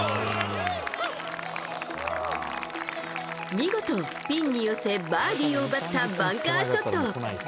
見事、ピンに寄せバーディーを奪ったバンカーショット。